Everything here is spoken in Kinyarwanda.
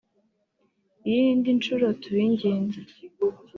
iyi ni indi nshuro tubinginze